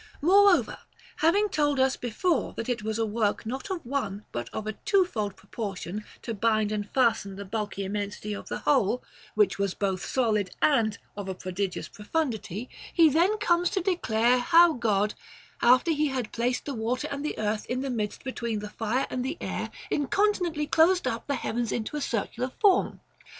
Moreover, having told us before that it was a work not of one but of a twofold proportion to bind and fasten the bulky immensity of the whole, which was both solid and of a prodigious profundity, he then comes to declare how God, after he had placed the water and the earth in the midst between the fire and the air, incontinently closed up the heavens into a circular form.